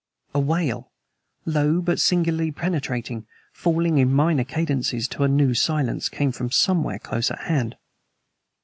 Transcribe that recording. A wail, low but singularly penetrating, falling in minor cadences to a new silence, came from somewhere close at hand.